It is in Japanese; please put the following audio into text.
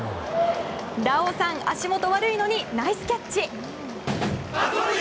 ラオウさん足元悪いのにナイスキャッチ。